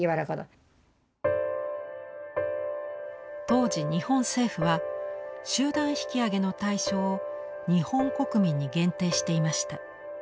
当時日本政府は集団引き揚げの対象を日本国民に限定していました。